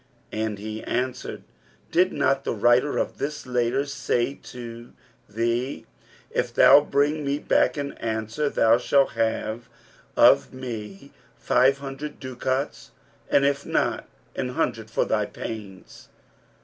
and he answered, 'Did not the writer of this letter say to thee, If thou bring me back an answer, thou shalt have of me five hundred ducats; and if not, an hundred for thy pains?'